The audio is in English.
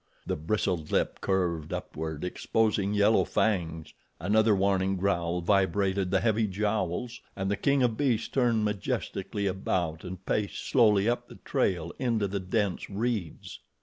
The bristled lip curved upward, exposing yellow fangs. Another warning growl vibrated the heavy jowls, and the king of beasts turned majestically about and paced slowly up the trail into the dense reeds.